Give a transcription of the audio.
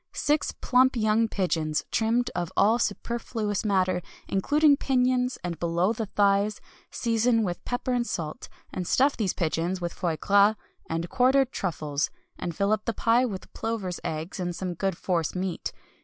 Six plump young pigeons, trimmed of all superfluous matter, including pinions and below the thighs. Season with pepper and salt, and stuff these pigeons with foie gras, and quartered truffles, and fill up the pie with plovers' eggs and some good force meat.